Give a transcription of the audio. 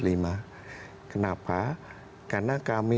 kami jadi perusahaan itu baru di akhir tahun